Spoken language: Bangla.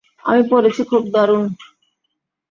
আমি পড়েছি খুব দারুন।